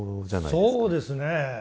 そうですね。